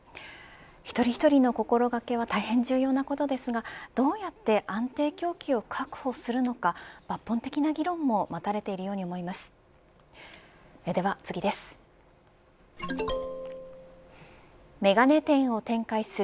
一人一人の心掛けは大変、重要なことですがどうやって安定供給を確保するのか抜本的な議論も待たれているように思います。